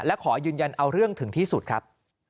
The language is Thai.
และขอยืนยันเอาเรื่องถึงที่สุดครับ